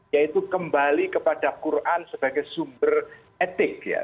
yaitu kembali kepada quran sebagai sumber etik ya